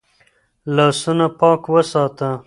لاسونه پاک وساته.